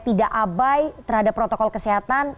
tidak abai terhadap protokol kesehatan